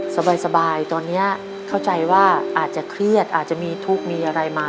สบายตอนนี้เข้าใจว่าอาจจะเครียดอาจจะมีทุกข์มีอะไรมา